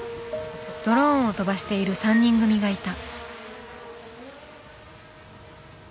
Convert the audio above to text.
ドローンを飛ばしている３人組がいた。